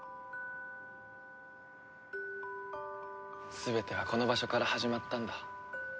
全てはこの場所から始まったんだ。